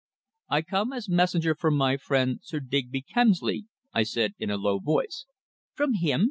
"I come as messenger from my friend, Sir Digby Kemsley," I said in a low voice. "From him?"